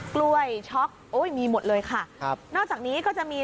กล้วยช็อคมีหมดเลยค่ะเนื่องจากนี้ก็จะมี